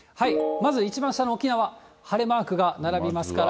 まず一番下の沖縄、晴れマークが並びますから。